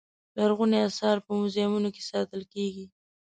لرغوني اثار په موزیمونو کې ساتل کېږي.